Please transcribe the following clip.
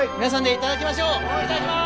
いただきます！